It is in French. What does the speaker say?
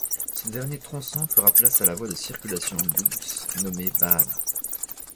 Ce dernier tronçon fera place à la voie de circulation douce nommée Baana.